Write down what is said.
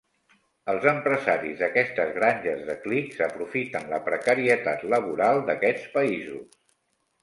Els empresaris d’aquestes granges de clics aprofiten la precarietat laboral d’aquests països.